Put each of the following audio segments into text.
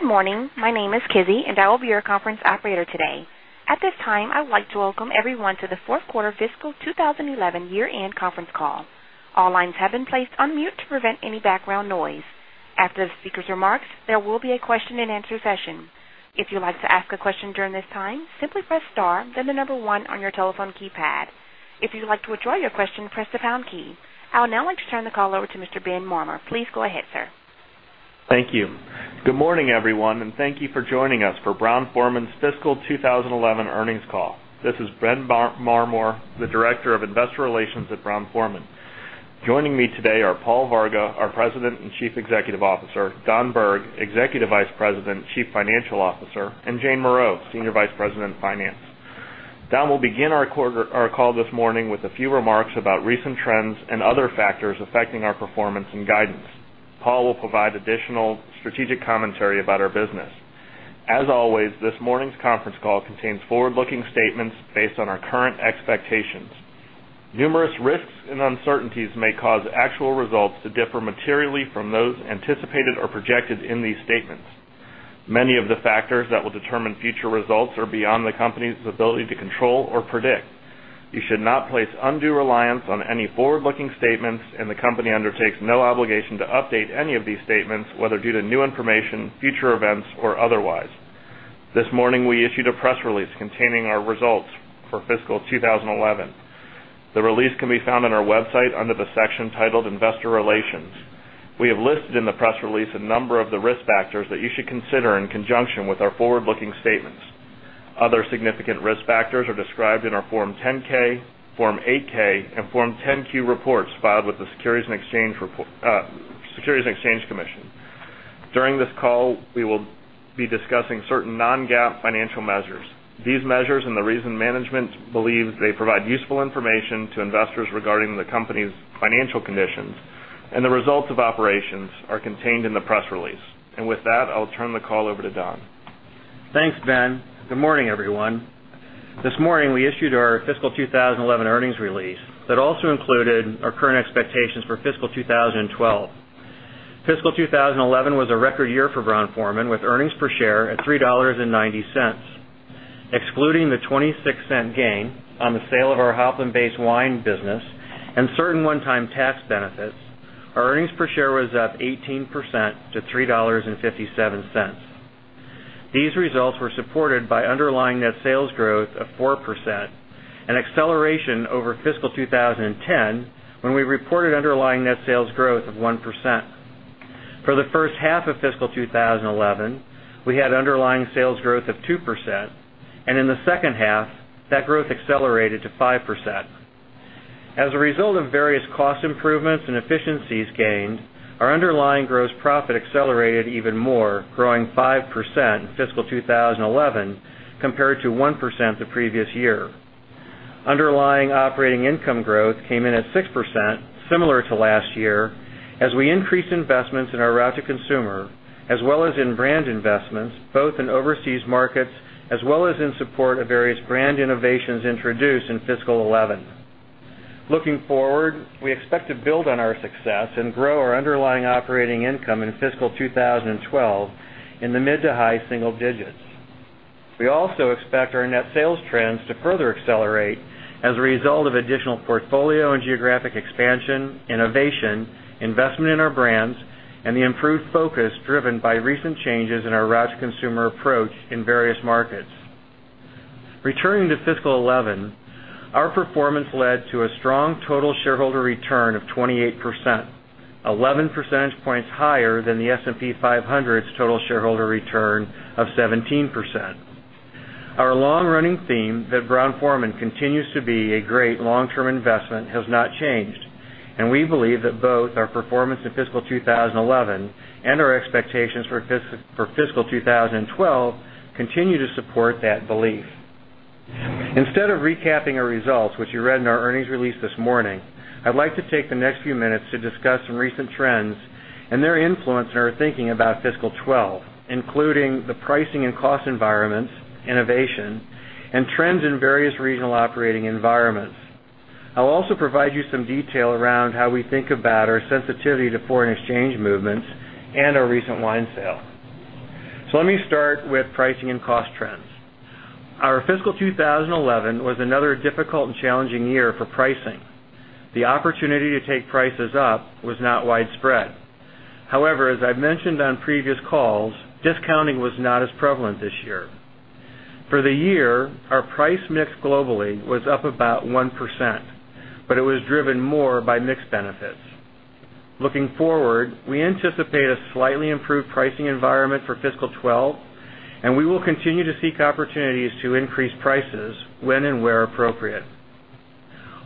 Good morning. My name is Kizzy, and I will be your conference Operator today. At this time, I would like to welcome everyone to the Fourth Quarter Fiscal 2011 year-end Conference Call. All lines have been placed on mute to prevent any background noise. After the speaker's remarks, there will be a question and answer session. If you would like to ask a question during this time, simply press star then the number one on your telephone keypad. If you would like to withdraw your question, press the pound key. I would now like to turn the call over to Mr. Ben Marmor. Please go ahead, sir. Thank you. Good morning, everyone, and thank you for joining us for Brown-Forman's Fiscal 2011 Earnings Call. This is Ben Marmor, the Director of Investor Relations at Brown-Forman. Joining me today are Paul Varga, our President and Chief Executive Officer, Don Berg, Executive Vice President, Chief Financial Officer, and Jane Morreau, Senior Vice President, Finance. Don will begin our call this morning with a few remarks about recent trends and other factors affecting our performance and guidance. Paul will provide additional strategic commentary about our business. As always, this morning's conference call contains forward-looking statements based on our current expectations. Numerous risks and uncertainties may cause actual results to differ materially from those anticipated or projected in these statements. Many of the factors that will determine future results are beyond the company's ability to control or predict. You should not place undue reliance on any forward-looking statements, and the company undertakes no obligation to update any of these statements, whether due to new information, future events, or otherwise. This morning, we issued a press release containing our results for fiscal 2011. The release can be found on our website under the section titled investor relations. We have listed in the press release a number of the risk factors that you should consider in conjunction with our forward-looking statements. Other significant risk factors are described in our Form 10-K, Form 8-K, and Form 10-Q reports filed with the Securities and Exchange Commission. During this call, we will be discussing certain non-GAAP financial measures. These measures and the reason management believes they provide useful information to investors regarding the company's financial conditions and the results of operations are contained in the press release. With that, I will turn the call over to Don. Thanks, Ben. Good morning, everyone. This morning, we issued our fiscal 2011 earnings release that also included our current expectations for fiscal 2012. Fiscal 2011 was a record year for Brown-Forman, with earnings per share at $3.90. Excluding the $0.26 gain on the sale of our Hopland-based wine business and certain one-time tax benefits, our earnings per share was up 18% to $3.57. These results were supported by underlying net sales growth of 4% and acceleration over fiscal 2010 when we reported underlying net sales growth of 1%. For the first half of fiscal 2011, we had underlying sales growth of 2%, and in the second half, that growth accelerated to 5%. As a result of various cost improvements and efficiencies gained, our underlying gross profit accelerated even more, growing 5% in fiscal 2011 compared to 1% the previous year. Underlying operating income growth came in at 6%, similar to last year, as we increased investments in our route-to-consumer as well as in brand investments, both in overseas markets as well as in support of various brand innovations introduced in fiscal 2011. Looking forward, we expect to build on our success and grow our underlying operating income in fiscal 2012 in the mid to high single digits. We also expect our net sales trends to further accelerate as a result of additional portfolio and geographic expansion, innovation, investment in our brands, and the improved focus driven by recent changes in our route-to-consumer approach in various markets. Returning to fiscal 2011, our performance led to a strong total shareholder return of 28%, 11 percentage points higher than the S&P 500's total shareholder return of 17%. Our long-running theme that Brown-Forman continues to be a great long-term investment has not changed, and we believe that both our performance in fiscal 2011 and our expectations for fiscal 2012 continue to support that belief. Instead of recapping our results, which you read in our earnings release this morning, I would like to take the next few minutes to discuss some recent trends and their influence in our thinking about fiscal 2012, including the pricing and cost environments, innovation, and trends in various regional operating environments. I will also provide you some detail around how we think about our sensitivity to foreign exchange movements and our recent wine sale. Let me start with pricing and cost trends. Our fiscal 2011 was another difficult and challenging year for pricing. The opportunity to take prices up was not widespread. However, as I have mentioned on previous calls, discounting was not as prevalent this year. For the year, our price mix globally was up about 1%, but it was driven more by mix benefits. Looking forward, we anticipate a slightly improved pricing environment for fiscal 2012, and we will continue to seek opportunities to increase prices when and where appropriate.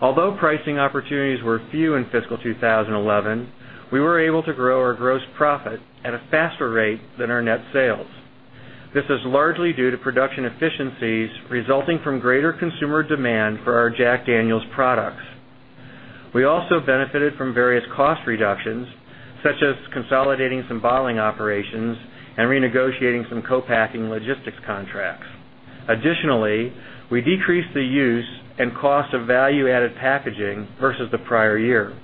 Although pricing opportunities were few in fiscal 2011, we were able to grow our gross profit at a faster rate than our net sales. This is largely due to production efficiencies resulting from greater consumer demand for our Jack Daniel's products. We also benefited from various cost reductions, such as consolidating some bottling operations and renegotiating some co-packing logistics contracts. Additionally, we decreased the use and cost of value-added packaging versus the prior year.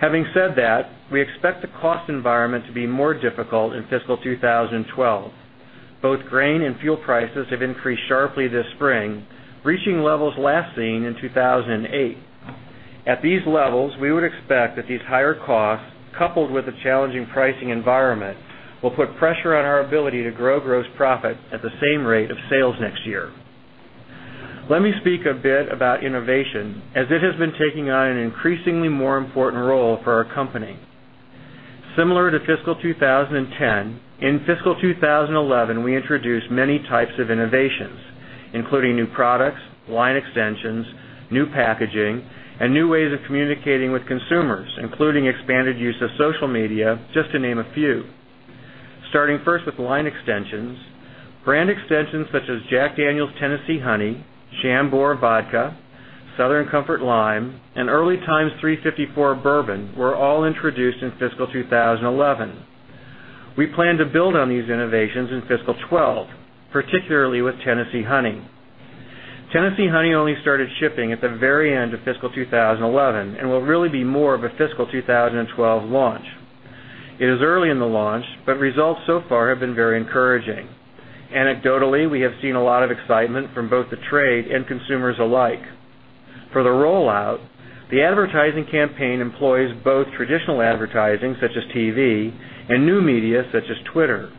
Having said that, we expect the cost environment to be more difficult in fiscal 2012. Both grain and fuel prices have increased sharply this spring, reaching levels last seen in 2008. At these levels, we would expect that these higher costs, coupled with a challenging pricing environment, will put pressure on our ability to grow gross profit at the same rate of sales next year. Let me speak a bit about innovation, as it has been taking on an increasingly more important role for our company. Similar to fiscal 2010, in fiscal 2011, we introduced many types of innovations, including new products, line extensions, new packaging, and new ways of communicating with consumers, including expanded use of social media, just to name a few. Starting first with line extensions, brand extensions such as Jack Daniel's Tennessee Honey, Chambord Vodka, Southern Comfort Lime, and Early Times 354 Bourbon were all introduced in fiscal 2011. We plan to build on these innovations in fiscal 2012, particularly with Tennessee Honey. Tennessee Honey only started shipping at the very end of fiscal 2011 and will really be more of a fiscal 2012 launch. It is early in the launch, but results so far have been very encouraging. Anecdotally, we have seen a lot of excitement from both the trade and consumers alike. For the rollout, the advertising campaign employs both traditional advertising, such as TV, and new media, such as Twitter.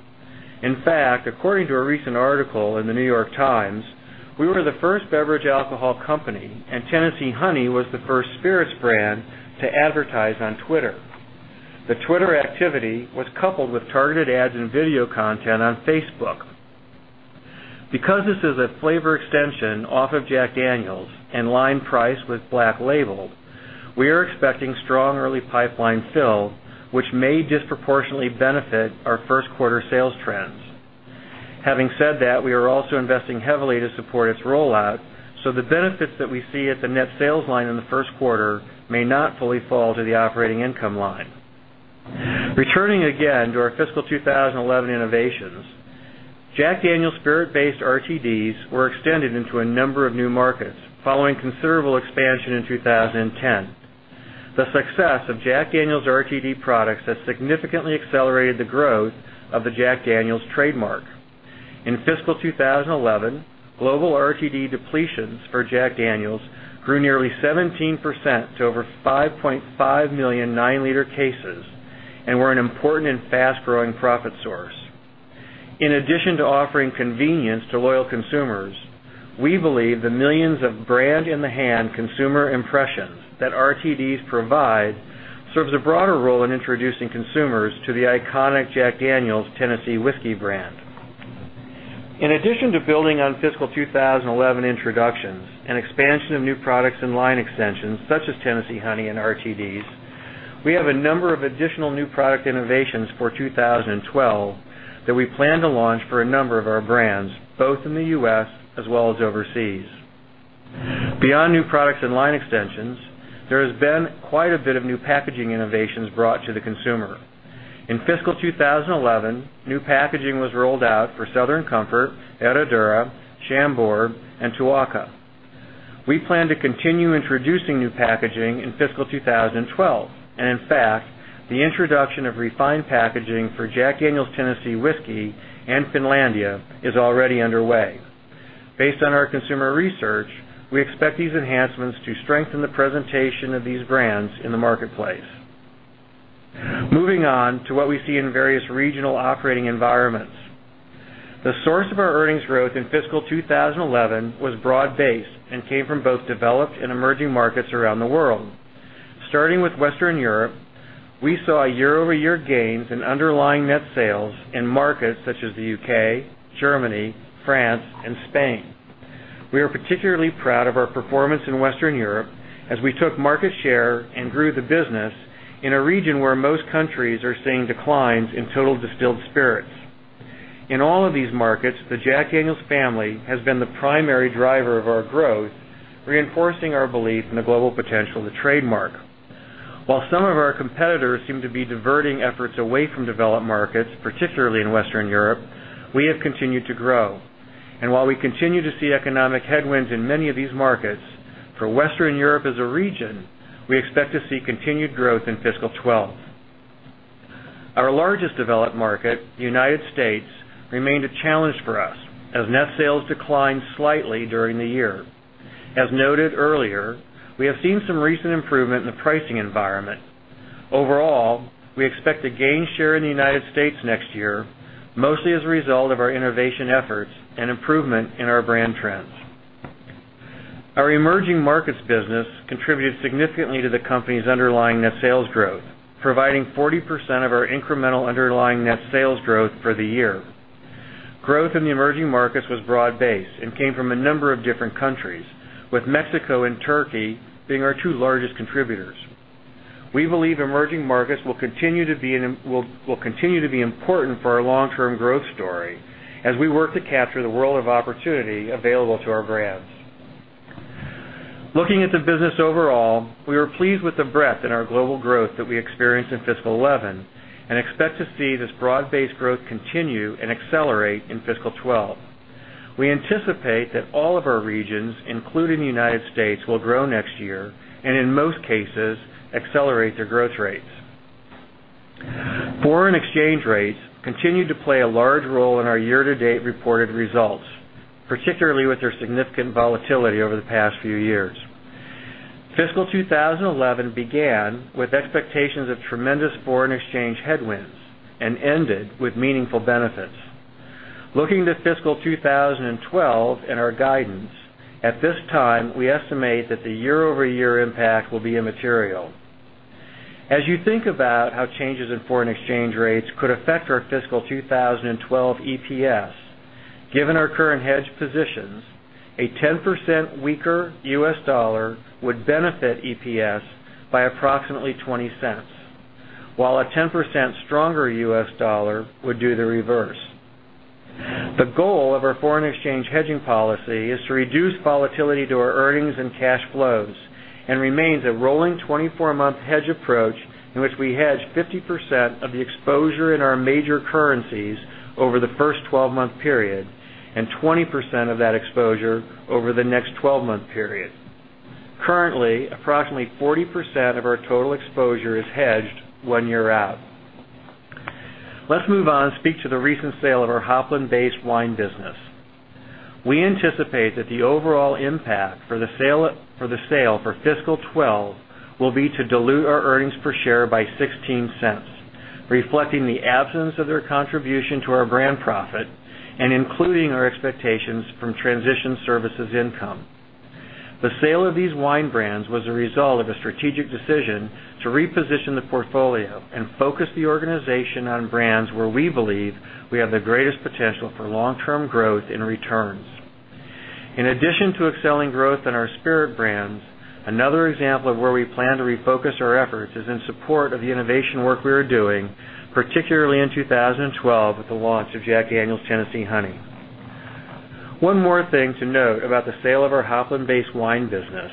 In fact, according to a recent article in The New York Times, we were the first beverage alcohol company, and Tennessee Honey was the first spirits brand to advertise on Twitter. The Twitter activity was coupled with targeted ads and video content on Facebook. Because this is a flavor extension off of Jack Daniel's and line priced with Black Label, we are expecting strong early pipeline fill, which may disproportionately benefit our first quarter sales trends. Having said that, we are also investing heavily to support its rollout, so the benefits that we see at the net sales line in the first quarter may not fully fall to the operating income line. Returning again to our fiscal 2011 innovations, Jack Daniel's spirit-based RTDs were extended into a number of new markets following considerable expansion in 2010. The success of Jack Daniel's RTD products has significantly accelerated the growth of the Jack Daniel's trademark. In fiscal 2011, global RTD depletions for Jack Daniel's grew nearly 17% to over 5.5 million nine L cases and were an important and fast-growing profit source. In addition to offering convenience to loyal consumers, we believe the millions of brand-in-the-hand consumer impressions that RTDs provide serve a broader role in introducing consumers to the iconic Jack Daniel's Tennessee Whiskey brand. In addition to building on fiscal 2011 introductions and expansion of new products and line extensions, such as Tennessee Honey and RTDs, we have a number of additional new product innovations for 2012 that we plan to launch for a number of our brands, both in the U.S. as well as overseas. Beyond new products and line extensions, there has been quite a bit of new packaging innovations brought to the consumer. In fiscal 2011, new packaging was rolled out for Southern Comfort, Herradura, Chambord, and Tuaca. We plan to continue introducing new packaging in fiscal 2012, and in fact, the introduction of refined packaging for Jack Daniel's Tennessee Whiskey and Finlandia is already underway. Based on our consumer research, we expect these enhancements to strengthen the presentation of these brands in the marketplace. Moving on to what we see in various regional operating environments. The source of our earnings growth in fiscal 2011 was broad-based and came from both developed and emerging markets around the world. Starting with Western Europe, we saw year-over-year gains in underlying net sales in markets such as the U.K., Germany, France, and Spain. We are particularly proud of our performance in Western Europe as we took market share and grew the business in a region where most countries are seeing declines in total distilled spirits. In all of these markets, the Jack Daniel's family has been the primary driver of our growth, reinforcing our belief in the global potential of the trademark. While some of our competitors seem to be diverting efforts away from developed markets, particularly in Western Europe, we have continued to grow. While we continue to see economic headwinds in many of these markets, for Western Europe as a region, we expect to see continued growth in fiscal 2012. Our largest developed market, the United States, remained a challenge for us as net sales declined slightly during the year. As noted earlier, we have seen some recent improvement in the pricing environment. Overall, we expect to gain share in the United States next year, mostly as a result of our innovation efforts and improvement in our brand trends. Our emerging markets business contributed significantly to the company's underlying net sales growth, providing 40% of our incremental underlying net sales growth for the year. Growth in the emerging markets was broad-based and came from a number of different countries, with Mexico and Turkey being our two largest contributors. We believe emerging markets will continue to be important for our long-term growth story as we work to capture the world of opportunity available to our brands. Looking at the business overall, we are pleased with the breadth in our global growth that we experienced in fiscal 2011 and expect to see this broad-based growth continue and accelerate in fiscal 2012. We anticipate that all of our regions, including the United States, will grow next year and, in most cases, accelerate their growth rates. Foreign exchange rates continue to play a large role in our year-to-date reported results, particularly with their significant volatility over the past few years. Fiscal 2011 began with expectations of tremendous foreign exchange headwinds and ended with meaningful benefits. Looking to fiscal 2012 and our guidance, at this time, we estimate that the year-over-year impact will be immaterial. As you think about how changes in foreign exchange rates could affect our fiscal 2012 EPS, given our current hedge positions, a 10% weaker U.S. dollar would benefit EPS by approximately $0.20, while a 10% stronger U.S. dollar would do the reverse. The goal of our foreign exchange hedging policy is to reduce volatility to our earnings and cash flows and remains a rolling 24-month hedge approach in which we hedge 50% of the exposure in our major currencies over the first 12-month period and 20% of that exposure over the next 12-month period. Currently, approximately 40% of our total exposure is hedged one year out. Let's move on to speak to the recent sale of our Hopland-based wine business. We anticipate that the overall impact for the sale for fiscal 2012 will be to dilute our earnings per share by $0.16, reflecting the absence of their contribution to our brand profit and including our expectations from transition services income. The sale of these wine brands was a result of a strategic decision to reposition the portfolio and focus the organization on brands where we believe we have the greatest potential for long-term growth in returns. In addition to excelling growth in our spirit brands, another example of where we plan to refocus our efforts is in support of the innovation work we are doing, particularly in 2012 with the launch of Jack Daniel's Tennessee Honey. One more thing to note about the sale of our Hopland-based wine business.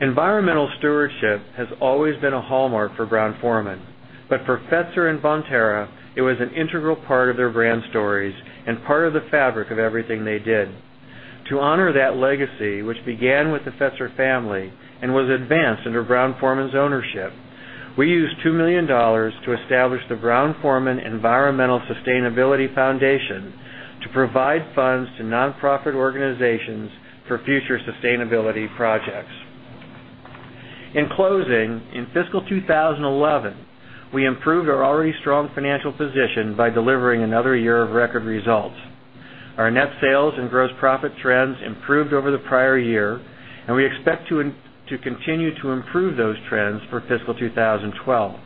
Environmental stewardship has always been a hallmark for Brown-Forman, but for Fetzer and Vontara, it was an integral part of their brand stories and part of the fabric of everything they did. To honor that legacy, which began with the Fetzer family and was advanced under Brown-Forman's ownership, we used $2 million to establish the Brown-Forman Environmental Sustainability Foundation to provide funds to nonprofit organizations for future sustainability projects. In closing, in fiscal 2011, we improved our already strong financial position by delivering another year of record results. Our net sales and gross profit trends improved over the prior year, and we expect to continue to improve those trends for fiscal 2012.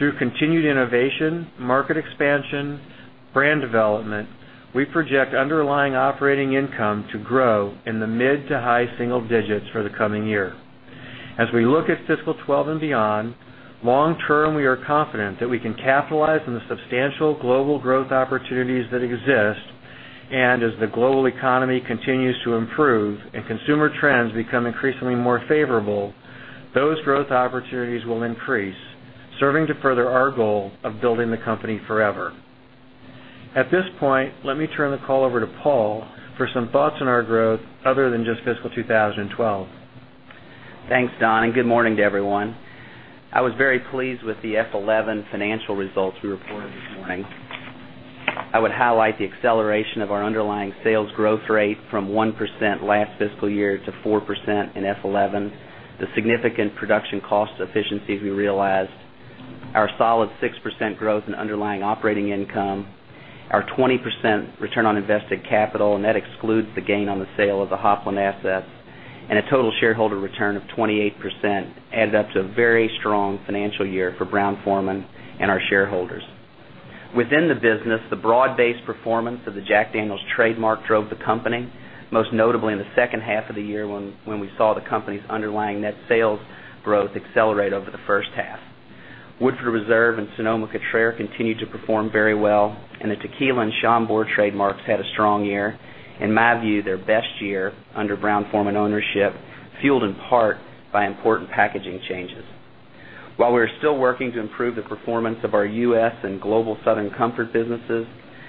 Through continued innovation, market expansion, and brand development, we project underlying operating income to grow in the mid to high single digits for the coming year. As we look at fiscal 2012 and beyond, long-term, we are confident that we can capitalize on the substantial global growth opportunities that exist. As the global economy continues to improve and consumer trends become increasingly more favorable, those growth opportunities will increase, serving to further our goal of building the company forever. At this point, let me turn the call over to Paul for some thoughts on our growth other than just fiscal 2012. Thanks, Don, and good morning to everyone. I was very pleased with the F-2011 financial results we reported this morning. I would highlight the acceleration of our underlying sales growth rate from 1% last fiscal year to 4% in F-2011, the significant production cost efficiencies we realized, our solid 6% growth in underlying operating income, our 20% return on invested capital, and that excludes the gain on the sale of the Hopland assets, and a total shareholder return of 28% added up to a very strong financial year for Brown-Forman and our shareholders. Within the business, the broad-based performance of the Jack Daniel's trademark drove the company, most notably in the second half of the year when we saw the company's underlying net sales growth accelerate over the first half. Woodford Reserve and Sonoma-Cutrer continued to perform very well, and the tequila and Chambord trademarks had a strong year. In my view, their best year under Brown-Forman ownership fueled in part by important packaging changes. While we are still working to improve the performance of our U.S. and global Southern Comfort businesses,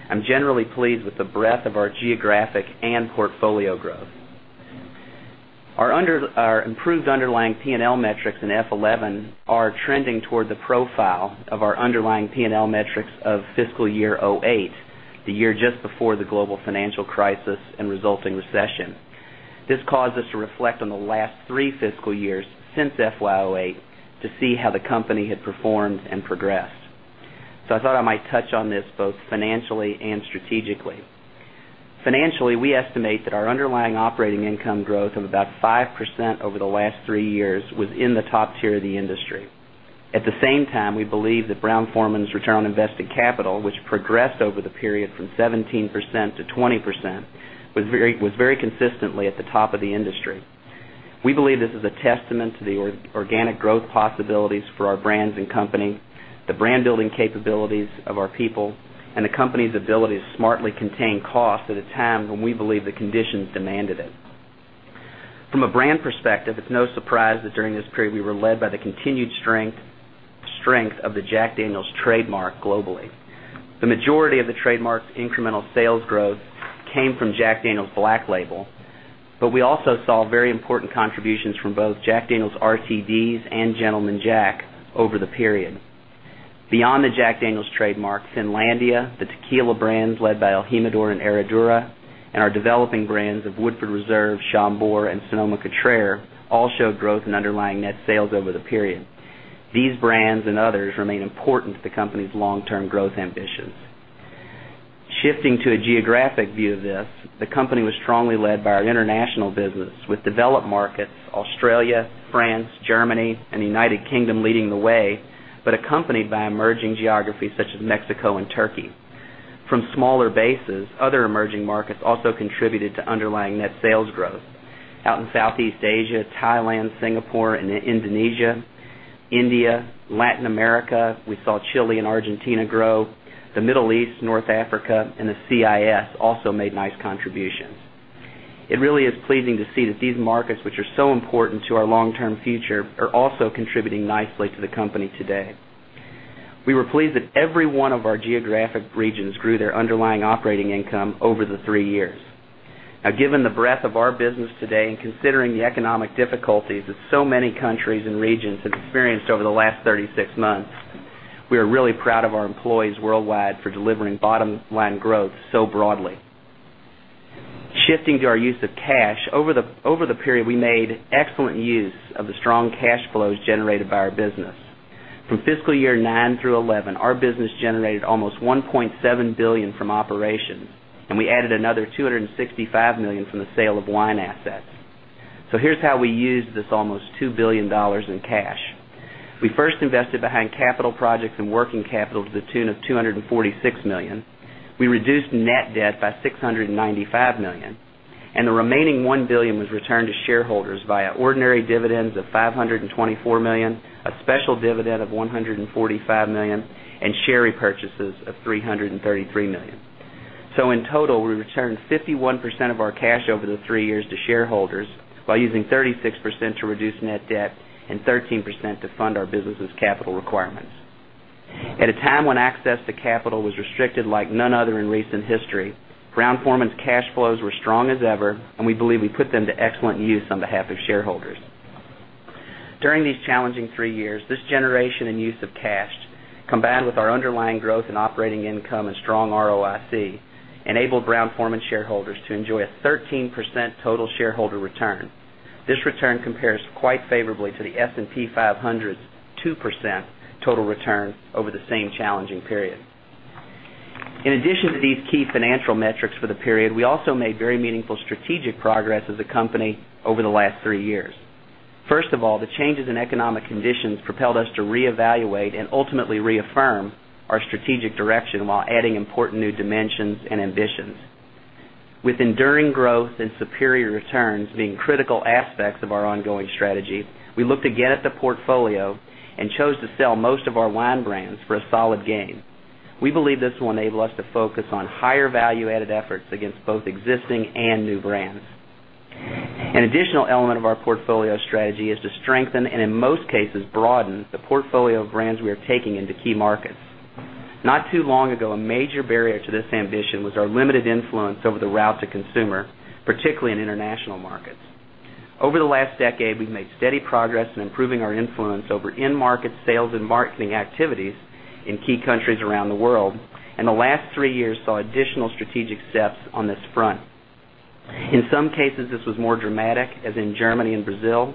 I'm generally pleased with the breadth of our geographic and portfolio growth. Our improved underlying P&L metrics in F-2011 are trending toward the profile of our underlying P&L metrics of fiscal year 2008, the year just before the global financial crisis and resulting recession. This caused us to reflect on the last three fiscal years since FY 2008 to see how the company had performed and progressed. I thought I might touch on this both financially and strategically. Financially, we estimate that our underlying operating income growth of about 5% over the last three years was in the top tier of the industry. At the same time, we believe that Brown-Forman's return on invested capital, which progressed over the period from 17% to 20%, was very consistently at the top of the industry. We believe this is a testament to the organic growth possibilities for our brands and company, the brand-building capabilities of our people, and the company's ability to smartly contain costs at a time when we believe the conditions demanded it. From a brand perspective, it's no surprise that during this period we were led by the continued strength of the Jack Daniel's trademark globally. The majority of the trademark's incremental sales growth came from Jack Daniel's Black Label, but we also saw very important contributions from both Jack Daniel's RTDs and Gentleman Jack over the period. Beyond the Jack Daniel's trademark, Finlandia, the tequila brands led by El Jimador and Herradura, and our developing brands of Woodford Reserve, Chambord, and Sonoma-Cutrer all showed growth in underlying net sales over the period. These brands and others remain important to the company's long-term growth ambitions. Shifting to a geographic view of this, the company was strongly led by our international business, with developed markets, Australia, France, Germany, and the United Kingdom leading the way, accompanied by emerging geographies such as Mexico and Turkey. From smaller bases, other emerging markets also contributed to underlying net sales growth. Out in Southeast Asia, Thailand, Singapore, and Indonesia, India, Latin America, we saw Chile and Argentina grow. The Middle East, North Africa, and the CIS also made nice contributions. It really is pleasing to see that these markets, which are so important to our long-term future, are also contributing nicely to the company today. We were pleased that every one of our geographic regions grew their underlying operating income over the three years. Now, given the breadth of our business today and considering the economic difficulties that so many countries and regions have experienced over the last 36 months, we are really proud of our employees worldwide for delivering bottom-line growth so broadly. Shifting to our use of cash, over the period, we made excellent use of the strong cash flows generated by our business. From fiscal year 2009 through 2011, our business generated almost $1.7 billion from operations, and we added another $265 million from the sale of wine assets. Here's how we used this almost $2 billion in cash. We first invested behind capital projects and working capital to the tune of $246 million. We reduced net debt by $695 million, and the remaining $1 billion was returned to shareholders via ordinary dividends of $524 million, a special dividend of $145 million, and share repurchases of $333 million. In total, we returned 51% of our cash over the three years to shareholders while using 36% to reduce net debt and 13% to fund our business's capital requirements. At a time when access to capital was restricted like none other in recent history, Brown-Forman's cash flows were strong as ever, and we believe we put them to excellent use on behalf of shareholders. During these challenging three years, this generation and use of cash, combined with our underlying growth in operating income and strong ROIC, enabled Brown-Forman shareholders to enjoy a 13% total shareholder return. This return compares quite favorably to the S&P 500's 2% total return over the same challenging period. In addition to these key financial metrics for the period, we also made very meaningful strategic progress as a company over the last three years. First of all, the changes in economic conditions propelled us to reevaluate and ultimately reaffirm our strategic direction while adding important new dimensions and ambitions. With enduring growth and superior returns being critical aspects of our ongoing strategy, we looked again at the portfolio and chose to sell most of our wine brands for a solid gain. We believe this will enable us to focus on higher value-added efforts against both existing and new brands. An additional element of our portfolio strategy is to strengthen and, in most cases, broaden the portfolio of brands we are taking into key markets. Not too long ago, a major barrier to this ambition was our limited influence over the route-to-consumer, particularly in international markets. Over the last decade, we've made steady progress in improving our influence over in-market sales and marketing activities in key countries around the world, and the last three years saw additional strategic steps on this front. In some cases, this was more dramatic, as in Germany and Brazil.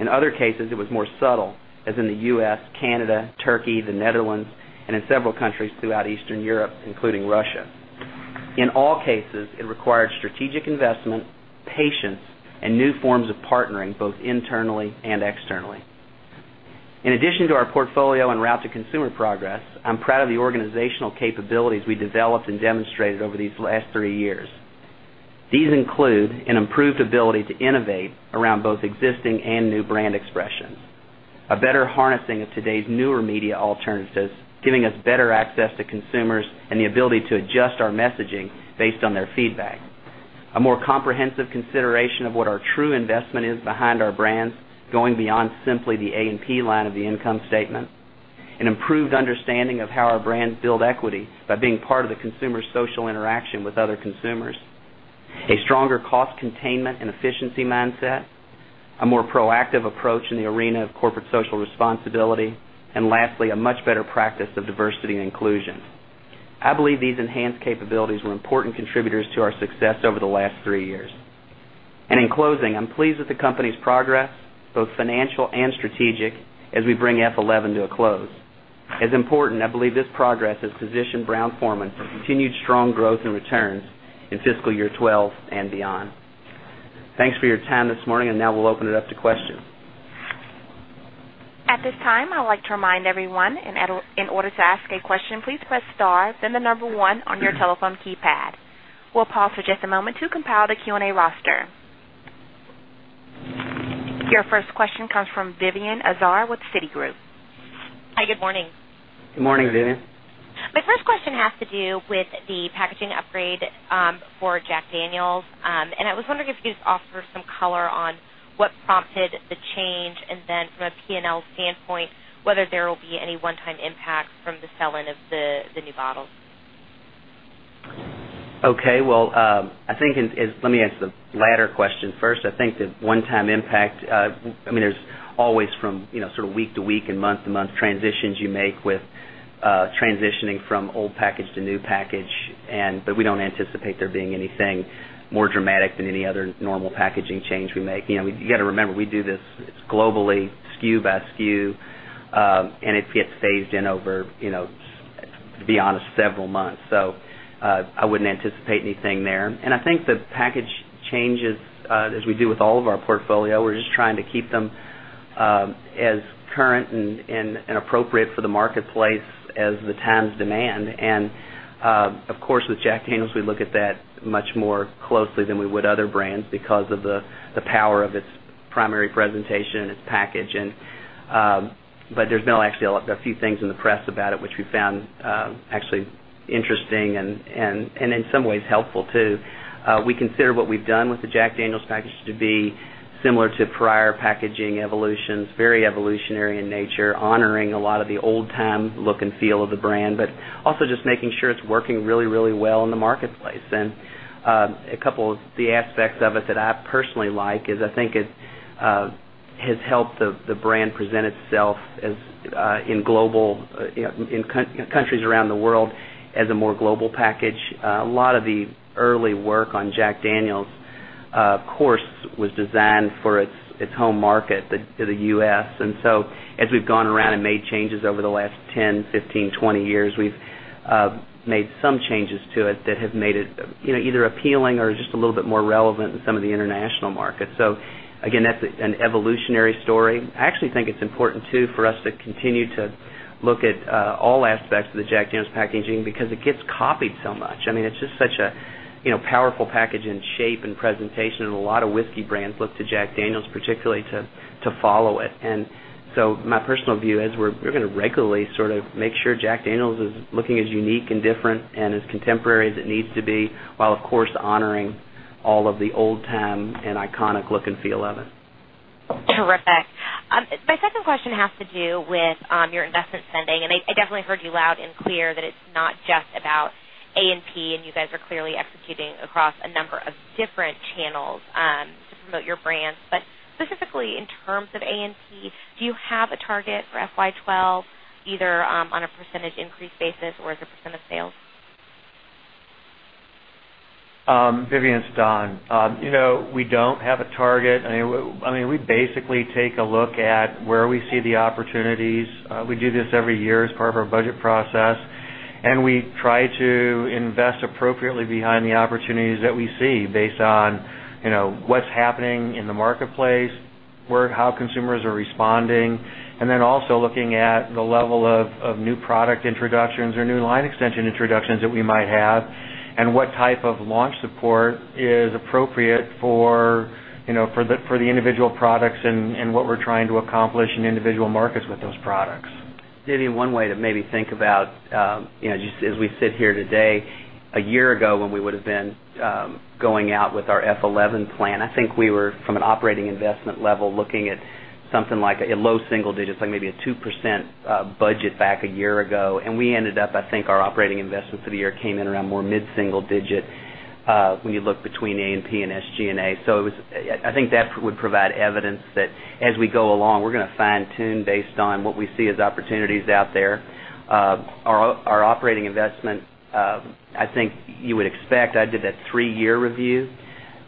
In other cases, it was more subtle, as in the U.S., Canada, Turkey, the Netherlands, and in several countries throughout Eastern Europe, including Russia. In all cases, it required strategic investment, patience, and new forms of partnering both internally and externally. In addition to our portfolio and route-to-consumer progress, I'm proud of the organizational capabilities we developed and demonstrated over these last three years. These include an improved ability to innovate around both existing and new brand expression, a better harnessing of today's newer media alternatives, giving us better access to consumers and the ability to adjust our messaging based on their feedback, a more comprehensive consideration of what our true investment is behind our brands, going beyond simply the A&P line of the income statement, an improved understanding of how our brands build equity by being part of the consumer's social interaction with other consumers, a stronger cost containment and efficiency mindset, a more proactive approach in the arena of corporate social responsibility, and lastly, a much better practice of diversity and inclusion. I believe these enhanced capabilities were important contributors to our success over the last three years. In closing, I'm pleased with the company's progress, both financial and strategic, as we bring F-2011 to a close. As important, I believe this progress has positioned Brown-Forman for continued strong growth and returns in fiscal year 2012 and beyond. Thanks for your time this morning, and now we'll open it up to questions. At this time, I would like to remind everyone, in order to ask a question, please press star, then the number one on your telephone keypad. We'll pause for just a moment to compile the Q&A roster. Your first question comes from Vivien Azar with Citigroup. Hi, good morning. Good morning, Vivien. My first question has to do with the packaging upgrade for Jack Daniel's, and I was wondering if you could just offer some color on what prompted the change and then, from a P&L standpoint, whether there will be any one-time impacts from the selling of the new bottles. OK, I think let me answer the latter question first. I think the one-time impact, I mean, there's always from sort of week to week and month to month transitions you make with transitioning from old package to new package, but we don't anticipate there being anything more dramatic than any other normal packaging change we make. You got to remember, we do this globally, SKU by SKU, and it gets phased in over, to be honest, several months. I wouldn't anticipate anything there. I think the package changes, as we do with all of our portfolio, we're just trying to keep them as current and appropriate for the marketplace as the times demand. Of course, with Jack Daniel's, we look at that much more closely than we would other brands because of the power of its primary presentation and its package. There's now actually a few things in the press about it, which we found actually interesting and, in some ways, helpful too. We consider what we've done with the Jack Daniel's package to be similar to prior packaging evolutions, very evolutionary in nature, honoring a lot of the old-time look and feel of the brand, but also just making sure it's working really, really well in the marketplace. A couple of the aspects of it that I personally like is I think it has helped the brand present itself in countries around the world as a more global package. A lot of the early work on Jack Daniel's, of course, was designed for its home market, the U.S. As we've gone around and made changes over the last 10, 15, 20 years, we've made some changes to it that have made it either appealing or just a little bit more relevant in some of the international markets. Again, that's an evolutionary story. I actually think it's important too for us to continue to look at all aspects of the Jack Daniel's packaging because it gets copied so much. I mean, it's just such a powerful package in shape and presentation, and a lot of whiskey brands look to Jack Daniel's particularly to follow it. My personal view is we're going to regularly sort of make sure Jack Daniel's is looking as unique and different and as contemporary as it needs to be, while, of course, honoring all of the old-time and iconic look and feel of it. Terrific. My second question has to do with your investment spending, and I definitely heard you loud and clear that it's not just about A&P, and you guys are clearly executing across a number of different channels to promote your brands. Specifically, in terms of A&P, do you have a target for FY 2012, either on a percentage increase basis or as a percentage of sales? Vivien, it's Don. We don't have a target. We basically take a look at where we see the opportunities. We do this every year as part of our budget process, and we try to invest appropriately behind the opportunities that we see based on what's happening in the marketplace, how consumers are responding, and also looking at the level of new product introductions or new line extension introductions that we might have and what type of launch support is appropriate for the individual products and what we're trying to accomplish in individual markets with those products. Vivien, one way to maybe think about, you know, as we sit here today, a year ago when we would have been going out with our F-2011 plan, I think we were, from an operating investment level, looking at something like a low single digit, like maybe a 2% budget back a year ago. We ended up, I think our operating investments for the year came in around more mid-single digit when you look between A&P and SG&A. I think that would provide evidence that, as we go along, we're going to fine-tune based on what we see as opportunities out there. Our operating investment, I think you would expect, I did that three-year review.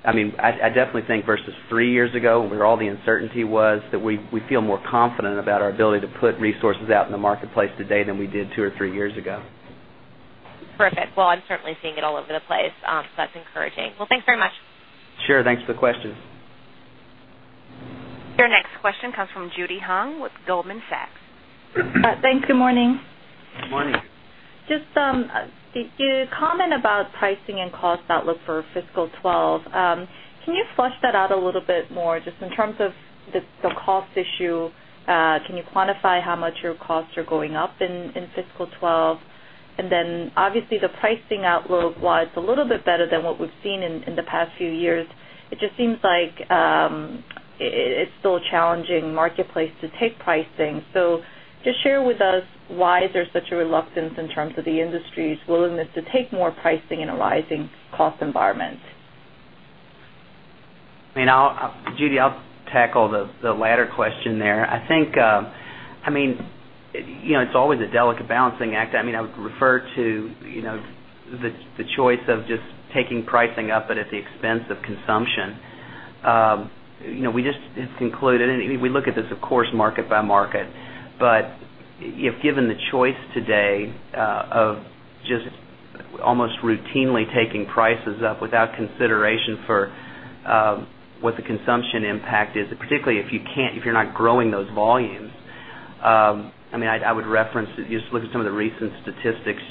I definitely think versus three years ago, where all the uncertainty was, that we feel more confident about our ability to put resources out in the marketplace today than we did two or three years ago. Terrific. I'm certainly seeing it all over the place, so that's encouraging. Thanks very much. Sure, thanks for the questions. Your next question comes from Judy Hong with Goldman Sachs. Thanks, good morning. Morning. Could you comment about pricing and cost outlook for fiscal 2012? Can you flesh that out a little bit more? In terms of the cost issue, can you quantify how much your costs are going up in fiscal 2012? Obviously, the pricing outlook, while it's a little bit better than what we've seen in the past few years, it just seems like it's still a challenging marketplace to take pricing. Please share with us why there is such a reluctance in terms of the industry's willingness to take more pricing in a rising cost environment. Judy, I'll tackle the latter question there. It's always a delicate balancing act. I would refer to the choice of just taking pricing up, but at the expense of consumption. We have concluded, and we look at this, of course, market by market. If given the choice today of just almost routinely taking prices up without consideration for what the consumption impact is, particularly if you're not growing those volumes, I would reference, just look at some of the recent statistics.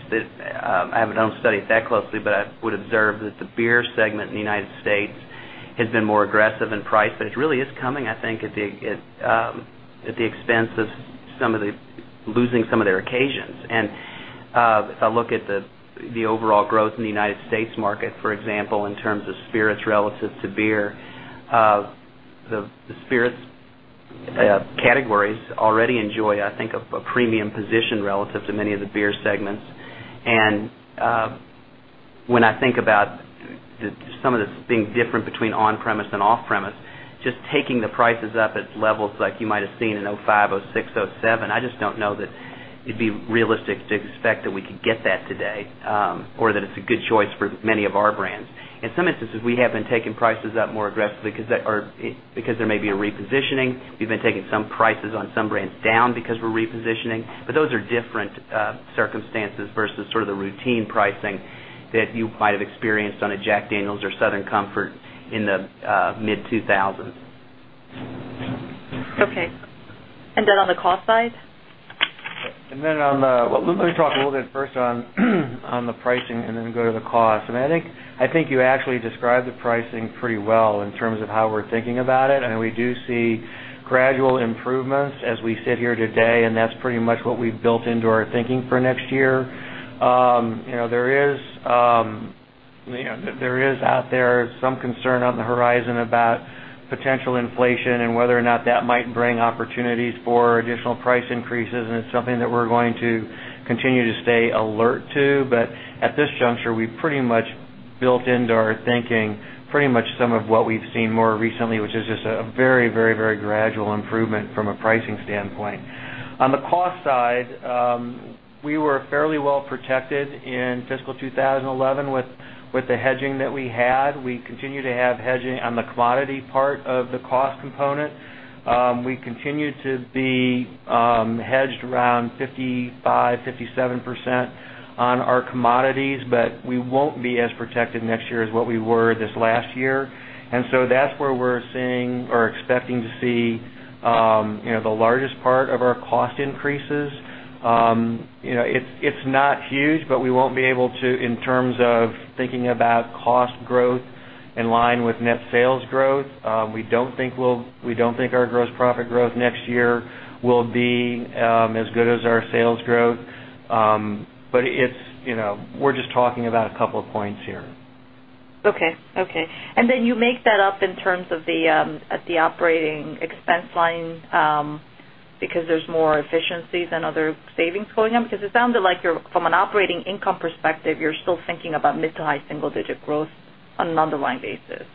I haven't studied that closely, but I would observe that the beer segment in the U.S. has been more aggressive in price, but it really is coming at the expense of losing some of their occasions. If I look at the overall growth in the U.S. market, for example, in terms of spirits relative to beer, the spirits categories already enjoy a premium position relative to many of the beer segments. When I think about some of the things different between on-premise and off-premise, just taking the prices up at levels like you might have seen in 2005, 2006, 2007, I just don't know that it'd be realistic to expect that we could get that today or that it's a good choice for many of our brands. In some instances, we have been taking prices up more aggressively because there may be a repositioning. We've been taking some prices on some brands down because we're repositioning. Those are different circumstances versus the routine pricing that you might have experienced on a Jack Daniel's or Southern Comfort in the mid-2000s. OK, on the cost side? Let me talk a little bit first on the pricing and then go to the cost. I think you actually described the pricing pretty well in terms of how we're thinking about it. We do see gradual improvements as we sit here today, and that's pretty much what we've built into our thinking for next year. There is out there some concern on the horizon about potential inflation and whether or not that might bring opportunities for additional price increases, and it's something that we're going to continue to stay alert to. At this juncture, we've pretty much built into our thinking some of what we've seen more recently, which is just a very, very, very gradual improvement from a pricing standpoint. On the cost side, we were fairly well protected in fiscal 2011 with the hedging that we had. We continue to have hedging on the commodity part of the cost component. We continue to be hedged around 55%, 57% on our commodities, but we won't be as protected next year as what we were this last year. That's where we're seeing or expecting to see the largest part of our cost increases. It's not huge, but we won't be able to, in terms of thinking about cost growth in line with net sales growth. We don't think our gross profit growth next year will be as good as our sales growth. We're just talking about a couple of points here. OK. OK. You make that up in terms of the operating expense line because there's more efficiencies and other savings going on? It sounded like, from an operating income perspective, you're still thinking about mid to high single-digit growth on an underlying basis.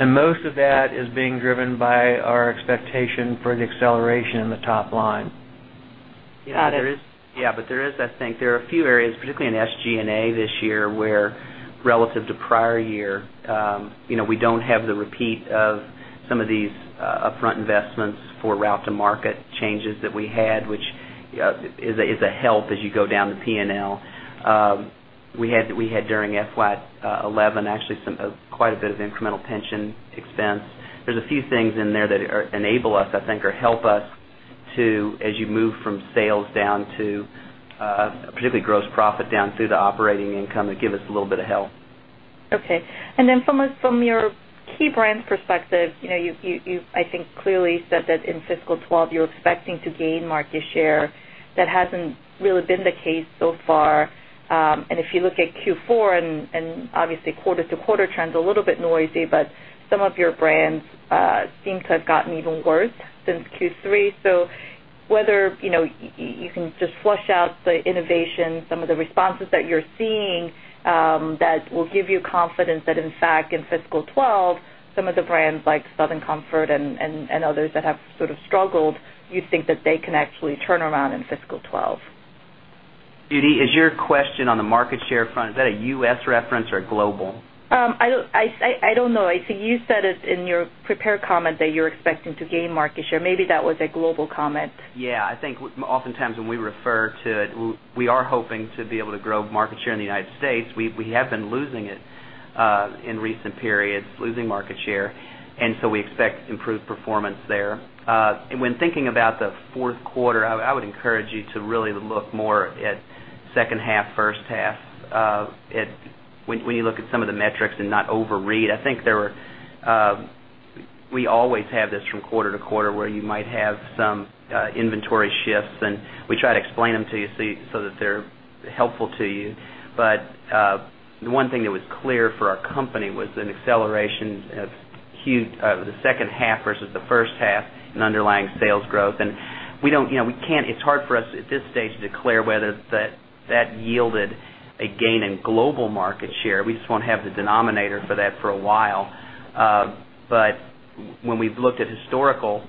Most of that is being driven by our expectation for the acceleration in the top line. Yeah, there are a few areas, particularly in SG&A this year, where, relative to prior year, we don't have the repeat of some of these upfront investments for route-to-market changes that we had, which is a help as you go down the P&L. We had, during FY 2011, actually quite a bit of incremental pension expense. There are a few things in there that enable us, I think, or help us to, as you move from sales down to, particularly gross profit down through the operating income, that give us a little bit of help. OK. From your key brand perspective, you, I think, clearly said that in fiscal 2012 you were expecting to gain market share. That hasn't really been the case so far. If you look at Q4, and obviously quarter-to-quarter trends are a little bit noisy, some of your brands seem to have gotten even worse than Q3. Whether you can just flesh out the innovation, some of the responses that you're seeing that will give you confidence that, in fact, in fiscal 2012, some of the brands like Southern Comfort and others that have sort of struggled, you think that they can actually turn around in fiscal 2012? Judy, is your question on the market share front, is that a U.S. reference or a global? I don't know. I think you said it in your prepared comment that you were expecting to gain market share. Maybe that was a global comment. Yeah, I think oftentimes when we refer to it, we are hoping to be able to grow market share in the United States. We have been losing it in recent periods, losing market share, and we expect improved performance there. When thinking about the fourth quarter, I would encourage you to really look more at second half, first half when you look at some of the metrics and not overread. I think we always have this from quarter to quarter where you might have some inventory shifts, and we try to explain them to you so that they're helpful to you. The one thing that was clear for our company was an acceleration of the second half versus the first half in underlying sales growth. It's hard for us at this stage to declare whether that yielded a gain in global market share. We just won't have the denominator for that for a while. When we've looked at historical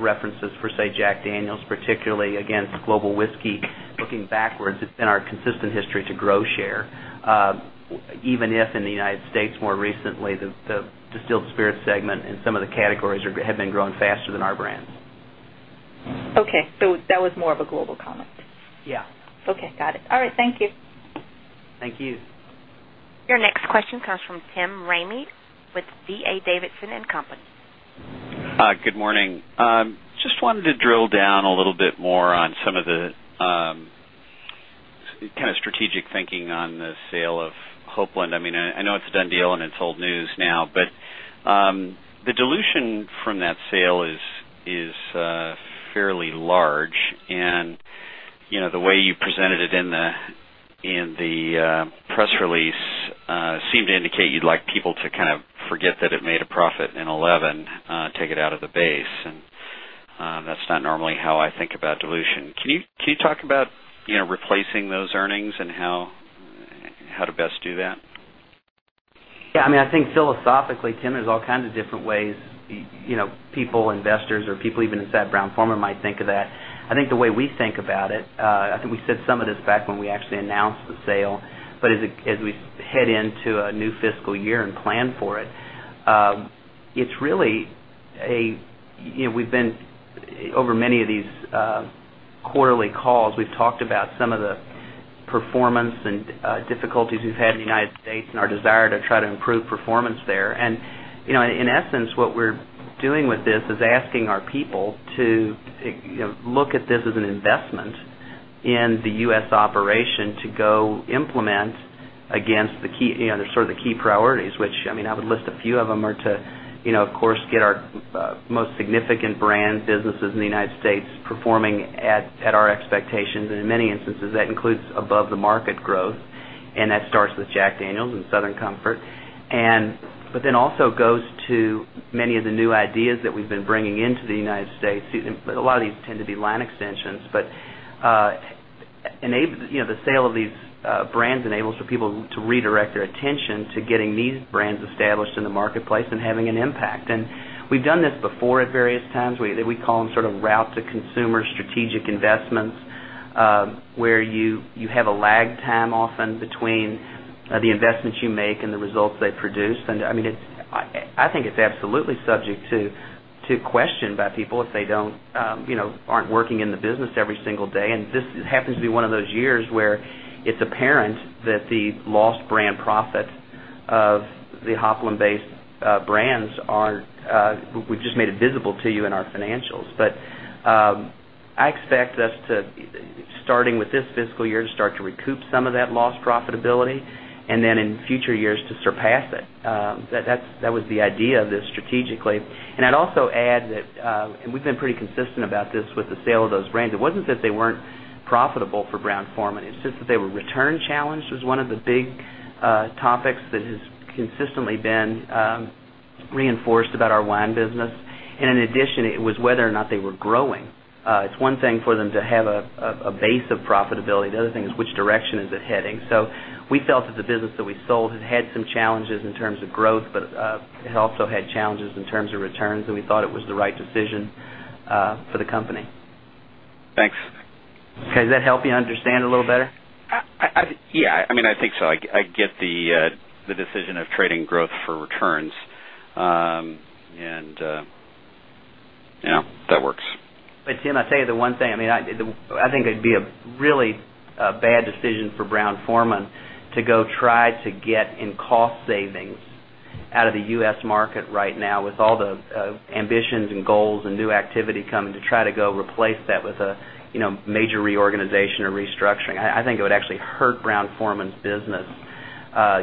references for, say, Jack Daniel's, particularly against global whiskey, looking backwards, it's been our consistent history to grow share, even if in the United States more recently the distilled spirit segment and some of the categories have been growing faster than our brands. OK, that was more of a global comment. Yeah. OK, got it. All right, thank you. Thank you. Your next question comes from Tim Ramey with D.A. Davidson and Company. Good morning. Just wanted to drill down a little bit more on some of the kind of strategic thinking on the sale of Hopland. I mean, I know it's a done deal and it's old news now, but the dilution from that sale is fairly large. The way you presented it in the press release seemed to indicate you'd like people to kind of forget that it made a profit in 2011, take it out of the base. That's not normally how I think about dilution. Can you talk about replacing those earnings and how to best do that? Yeah, I mean, I think philosophically, Tim, there's all kinds of different ways people, investors, or people even inside Brown-Forman might think of that. I think the way we think about it, I think we said some of this back when we actually announced the sale, but as we head into a new fiscal year and plan for it, it's really a, we've been, over many of these quarterly calls, we've talked about some of the performance and difficulties we've had in the United States and our desire to try to improve performance there. In essence, what we're doing with this is asking our people to look at this as an investment in the U.S. operation to go implement against the key, sort of the key priorities, which, I mean, I would list a few of them, are to, of course, get our most significant brands, businesses in the United States performing at our expectations. In many instances, that includes above-the-market growth, and that starts with Jack Daniel's and Southern Comfort, but then also goes to many of the new ideas that we've been bringing into the United States. A lot of these tend to be line extensions, but the sale of these brands enables for people to redirect their attention to getting these brands established in the marketplace and having an impact. We've done this before at various times. We call them sort of route-to-consumer strategic investments, where you have a lag time often between the investments you make and the results they produce. I think it's absolutely subject to question by people if they aren't working in the business every single day. This happens to be one of those years where it's apparent that the lost brand profit of the Hopland-based brands isn't, we've just made it visible to you in our financials. I expect us to, starting with this fiscal year, to start to recoup some of that lost profitability and then in future years to surpass it. That was the idea of this strategically. I'd also add that, and we've been pretty consistent about this with the sale of those brands, it wasn't that they weren't profitable for Brown-Forman, it's just that they were return challenged, was one of the big topics that has consistently been reinforced about our wine business. In addition, it was whether or not they were growing. It's one thing for them to have a base of profitability. The other thing is which direction is it heading? We felt that the business that we sold had had some challenges in terms of growth, but it had also had challenges in terms of returns, and we thought it was the right decision for the company. Thanks. OK, does that help you understand a little better? Yeah, I mean, I think so. I get the decision of trading growth for returns, and that works. Tim, I'll tell you the one thing, I mean, I think it'd be a really bad decision for Brown-Forman Corporation to try to get in cost savings out of the U.S. market right now with all the ambitions and goals and new activity coming to try to go replace that with a major reorganization or restructuring. I think it would actually hurt Brown-Forman Corporation's business.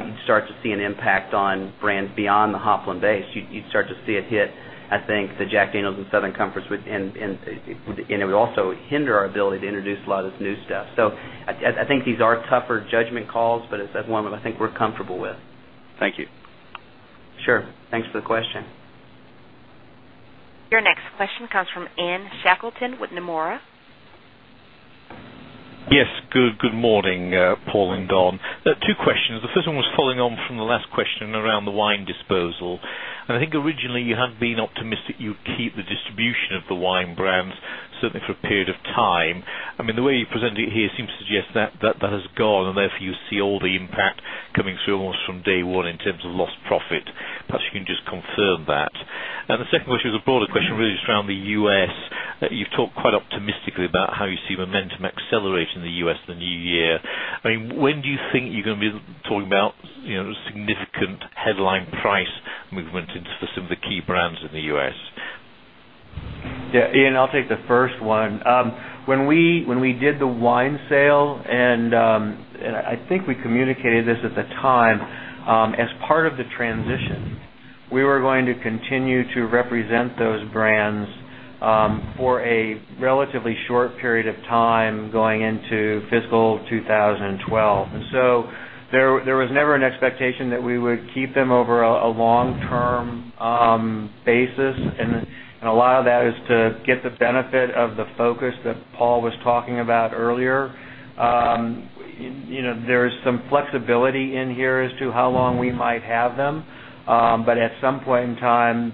You'd start to see an impact on brands beyond the Hopland base. You'd start to see it hit, I think, the Jack Daniel's and Southern Comfort, and it would also hinder our ability to introduce a lot of this new stuff. I think these are tougher judgment calls, but it's one I think we're comfortable with. Thank you. Sure. Thanks for the question. Your next question comes from Ian Shackleton with [BNP Paribas Exane.] Yes, good morning, Paul and Don. Two questions. The first one was following on from the last question around the wine disposal. I think originally you had been optimistic you'd keep the distribution of the wine brands certainly for a period of time. The way you presented it here seems to suggest that that has gone, and therefore you see all the impact coming through almost from day one in terms of lost profit. Perhaps you can just confirm that. The second question is a broader question really just around the U.S. You've talked quite optimistically about how you see momentum accelerating in the U.S. in the new year. When do you think you're going to be talking about significant headline price movement for some of the key brands in the U.S.? Yeah, Ian, I'll take the first one. When we did the wine sale, and I think we communicated this at the time, as part of the transition, we were going to continue to represent those brands for a relatively short period of time going into fiscal 2012. There was never an expectation that we would keep them over a long-term basis, and a lot of that is to get the benefit of the focus that Paul was talking about earlier. There is some flexibility in here as to how long we might have them, but at some point in time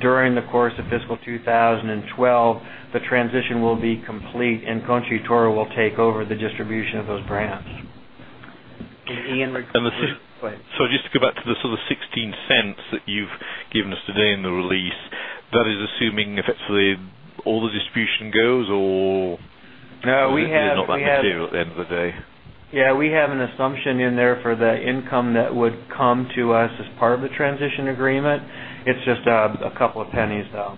during the course of fiscal 2012, the transition will be complete, and Contratore will take over the distribution of those brands. Ian, I was going to say, just to go back to the sort of $0.16 that you've given us today in the release, that is assuming effectively all the distribution goes or. No, we have. It's not that material at the end of the day. Yeah, we have an assumption in there for the income that would come to us as part of the transition agreement. It's just a couple of pennies, though.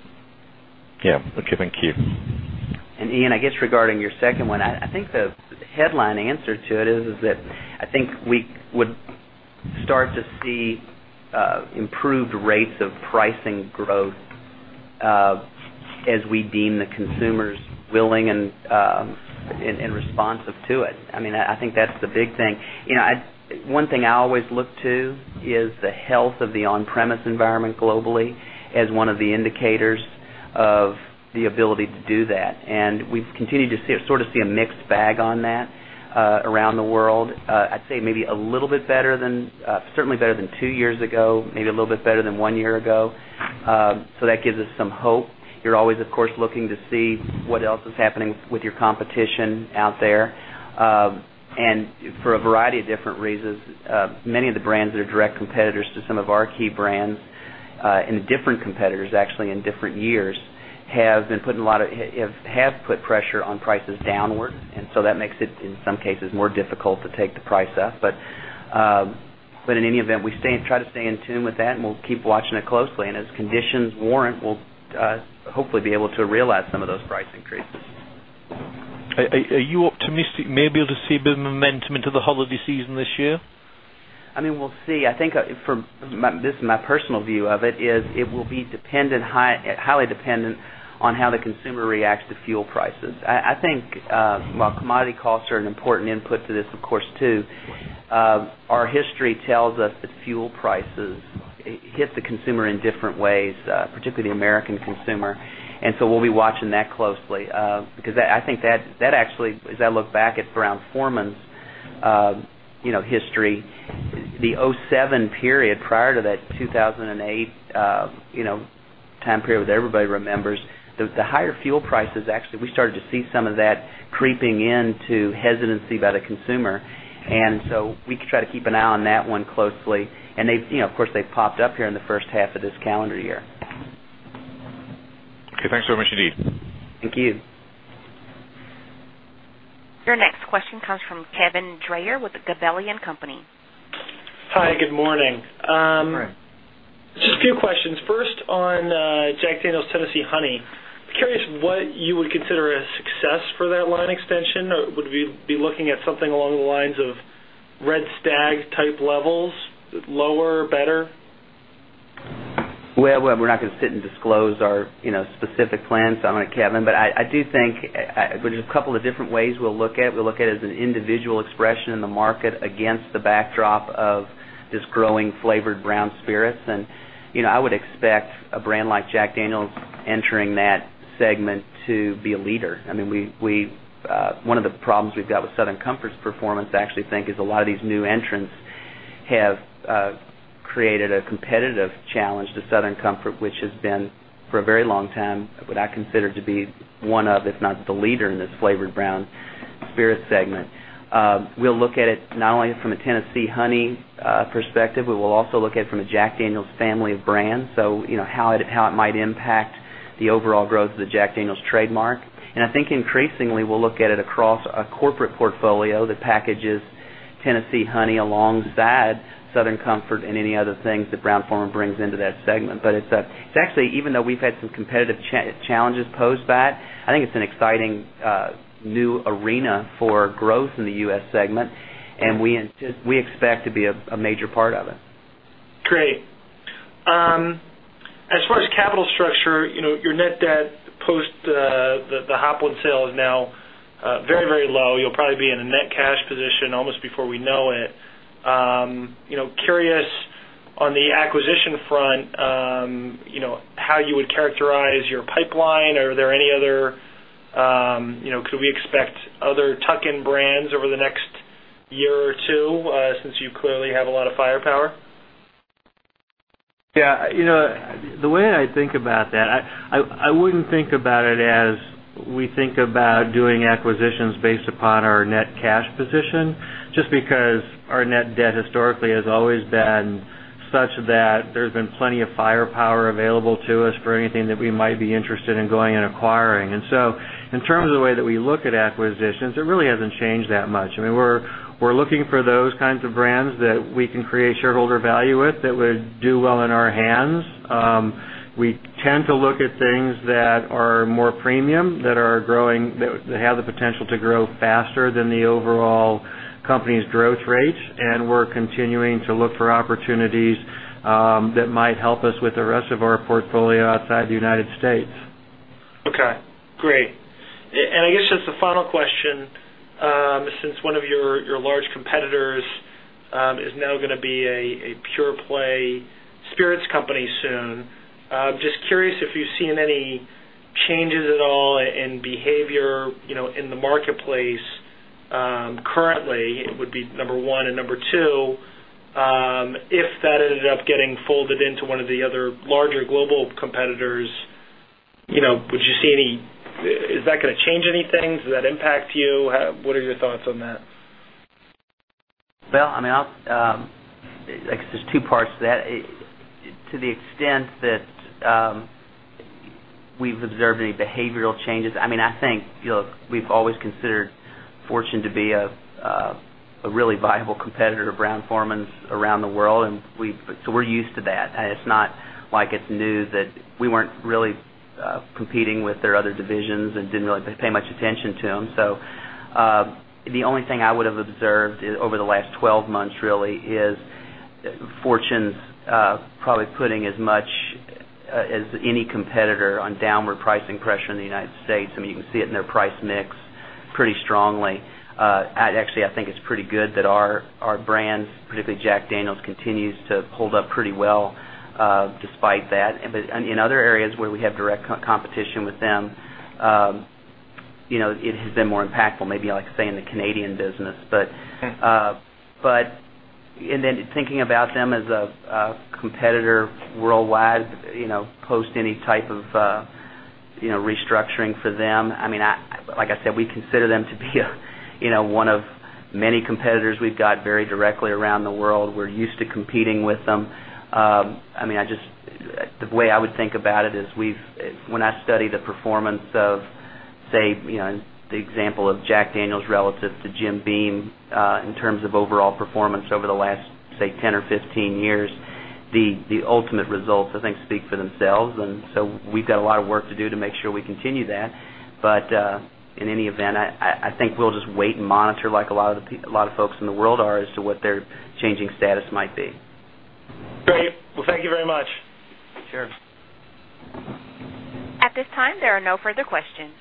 Yeah, OK. Thank you. Ian, regarding your second one, I think the headline answer to it is that I think we would start to see improved rates of pricing growth as we deem the consumers willing and responsive to it. I think that's the big thing. One thing I always look to is the health of the on-premise environment globally as one of the indicators of the ability to do that. We've continued to see a mixed bag on that around the world. I'd say certainly better than two years ago, maybe a little bit better than one year ago. That gives us some hope. You're always looking to see what else is happening with your competition out there. For a variety of different reasons, many of the brands that are direct competitors to some of our key brands and the different competitors actually in different years have put pressure on prices downward. That makes it, in some cases, more difficult to take the price up. In any event, we try to stay in tune with that, and we'll keep watching it closely. As conditions warrant, we'll hopefully be able to realize some of those price increases. Are you optimistic you may be able to see a bit of momentum into the holiday season this year? I mean, we'll see. I think this is my personal view of it, is it will be highly dependent on how the consumer reacts to fuel prices. I think commodity costs are an important input to this, of course, too. Our history tells us that fuel prices hit the consumer in different ways, particularly the American consumer. We’ll be watching that closely because I think that actually, as I look back at Brown-Forman's history, the 2007 period prior to that 2008 time period that everybody remembers, the higher fuel prices, actually, we started to see some of that creeping into hesitancy by the consumer. We try to keep an eye on that one closely. Of course, they've popped up here in the first half of this calendar year. OK, thanks very much indeed. Thank you. Your next question comes from Kevin Dreyer with Gabelli & Company. Hi, good morning. Hi. Just a few questions. First, on Jack Daniel's Tennessee Honey, curious what you would consider a success for that line extension. Would we be looking at something along the lines of Red Stag type levels, lower, better? We're not going to sit and disclose our specific plans on it, Kevin, but I do think there's a couple of different ways we'll look at it. We'll look at it as an individual expression in the market against the backdrop of this growing flavored brown spirits. I would expect a brand like Jack Daniel entering that segment to be a leader. One of the problems we've got with Southern Comfort's performance, I actually think, is a lot of these new entrants have created a competitive challenge to Southern Comfort, which has been, for a very long time, what I consider to be one of, if not the leader, in this flavored brown spirit segment. We'll look at it not only from a Tennessee Honey perspective, but we'll also look at it from a Jack Daniel's family of brands, so how it might impact the overall growth of the Jack Daniel's trademark. I think increasingly, we'll look at it across a corporate portfolio that packages Tennessee Honey alongside Southern Comfort and any other things that Brown-Forman brings into that segment. It's actually, even though we've had some competitive challenges posed by it, I think it's an exciting new arena for growth in the U.S. segment, and we expect to be a major part of it. Great. As far as capital structure, your net debt post the Hopland sale is now very, very low. You'll probably be in a net cash position almost before we know it. Curious on the acquisition front, how you would characterize your pipeline? Are there any other, could we expect other tuck-in brands over the next year or two since you clearly have a lot of firepower? Yeah, you know, the way I think about that, I wouldn't think about it as we think about doing acquisitions based upon our net cash position, just because our net debt historically has always been such that there's been plenty of firepower available to us for anything that we might be interested in going and acquiring. In terms of the way that we look at acquisitions, it really hasn't changed that much. I mean, we're looking for those kinds of brands that we can create shareholder value with that would do well in our hands. We tend to look at things that are more premium, that have the potential to grow faster than the overall company's growth rates, and we're continuing to look for opportunities that might help us with the rest of our portfolio outside the United States. OK, great. I guess just a final question, since one of your large competitors is now going to be a pure-play spirits company soon, just curious if you've seen any changes at all in behavior in the marketplace currently. That would be number one. Number two, if that ended up getting folded into one of the other larger global competitors, would you see any, is that going to change anything? Does that impact you? What are your thoughts on that? I guess there's two parts to that. To the extent that we've observed any behavioral changes, I think, look, we've always considered Fortune to be a really viable competitor of Brown-Forman's around the world, and we're used to that. It's not like it's new that we weren't really competing with their other divisions and didn't really pay much attention to them. The only thing I would have observed over the last 12 months, really, is Fortune's probably putting as much as any competitor on downward pricing pressure in the United States. You can see it in their price mix pretty strongly. Actually, I think it's pretty good that our brands, particularly Jack Daniel's, continue to hold up pretty well despite that. In other areas where we have direct competition with them, it has been more impactful, maybe, like in the Canadian business. Thinking about them as a competitor worldwide post any type of restructuring for them, like I said, we consider them to be one of many competitors we've got very directly around the world. We're used to competing with them. The way I would think about it is when I study the performance of, say, the example of Jack Daniel's relative to Jim Beam in terms of overall performance over the last, say, 10 or 15 years, the ultimate results, I think, speak for themselves. We've got a lot of work to do to make sure we continue that. In any event, I think we'll just wait and monitor, like a lot of folks in the world are, as to what their changing status might be. Great. Thank you very much. Sure. At this time, there are no further questions.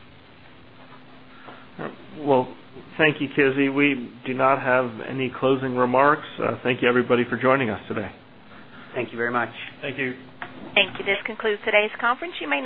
Thank you, Kizzy. We do not have any closing remarks. Thank you, everybody, for joining us today. Thank you very much. Thank you. Thank you. This concludes today's conference. You may.